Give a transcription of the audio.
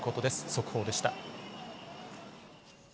速報でした。